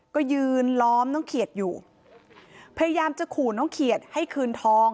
ก็ยืนล้อมน้องเขียดอยู่พยายามจะขู่น้องเขียดให้คืนทอง